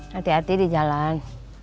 hati hati di jalan